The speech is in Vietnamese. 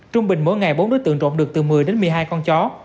trung bình mỗi ngày bốn đối tượng trộn được từ một mươi đến một mươi hai con chó